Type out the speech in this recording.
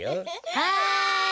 はい。